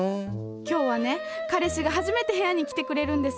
今日はね彼氏が初めて部屋に来てくれるんです。